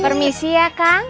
permisi ya kang